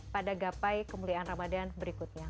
pada gapai kemuliaan ramadan berikutnya